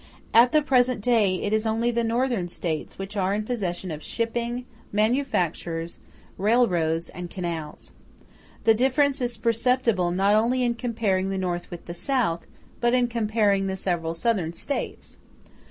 At the present day it is only the Northern States which are in possession of shipping, manufactures, railroads, and canals. This difference is perceptible not only in comparing the North with the South, but in comparing the several Southern States.